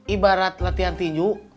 ibarat latihan tinju